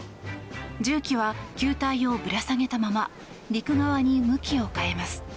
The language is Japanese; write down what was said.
重機は球体をぶら下げたまま陸側に向きを変えます。